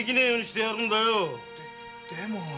でも。